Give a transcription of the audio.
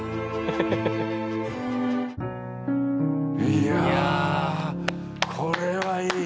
いやこれはいい。